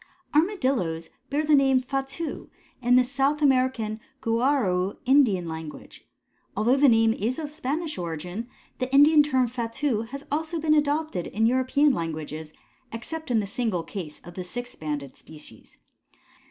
All Armadillos bear the name Fatu in the South American Guarau Indian language. Although the name is of Spanish origin the Indian term Fatu has also been adopted in European languages, except in the single case of the six banded species.